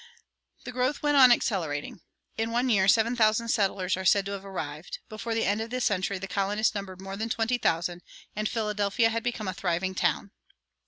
[117:1] The growth went on accelerating. In one year seven thousand settlers are said to have arrived; before the end of the century the colonists numbered more than twenty thousand, and Philadelphia had become a thriving town.